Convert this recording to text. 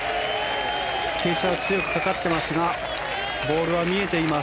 傾斜は強くかかってますがボールは見えています